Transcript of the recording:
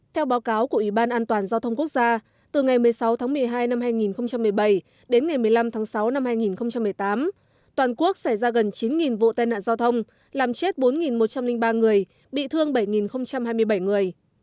theo báo cáo của ủy ban an toàn giao thông quốc gia từ ngày một mươi sáu tháng một mươi hai năm hai nghìn một mươi bảy đến ngày một mươi năm tháng sáu năm hai nghìn một mươi tám toàn quốc xảy ra gần chín vụ tai nạn giao thông làm chết bốn một trăm linh ba người bị thương bảy hai mươi bảy người